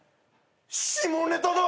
下ネタだ！